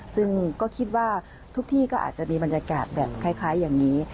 ซึ่งก็คิดว่าทุกที่ก็อาจจะมีบรรยากาศแบบคล้ายอย่างนี้